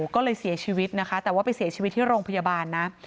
ก็เลยเสียชีวิตนะคะแต่ว่าไปเสียชีวิตที่โรงพยาบาลนะ